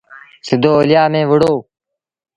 سڌو اوليآ ميݩ وهُڙو